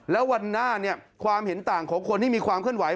แล้ววันหน้าเนี่ยความเห็นต่างของคนที่มีความเคลื่อนไห